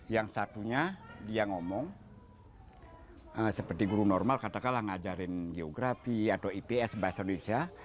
yang satunya dia ngomong seperti guru normal katakanlah ngajarin geografi atau ips bahasa indonesia